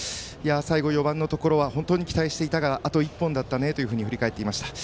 最後、４番のところは本当に期待していたがあと１本だったねと振り返っていました。